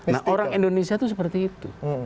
nah orang indonesia itu seperti itu